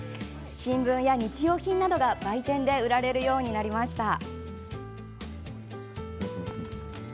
新聞や日用品などが売店で売られるようになりました。